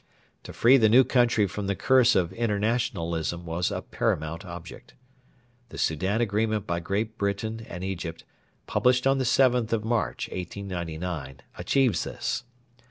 To free the new country from the curse of internationalism was a paramount object. The Soudan Agreement by Great Britain and Egypt, published on the 7th of March, 1899, achieves this.